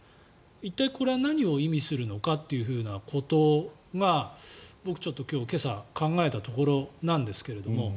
一体、これは何を意味するのかということが僕ちょっと、今朝考えたところなんですけども。